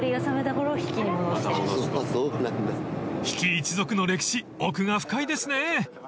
［比企一族の歴史奥が深いですね］